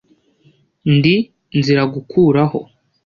ndi nziragukuraho